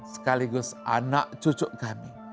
sekaligus anak cucuk kami